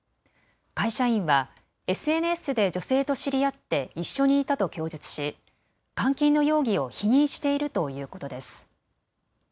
会社員はＳＮＳで女性と知り合って一緒にいたと供述し監禁の容疑を否認しているということです。